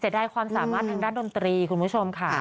ได้ความสามารถทางด้านดนตรีคุณผู้ชมค่ะ